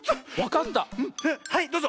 はいどうぞ。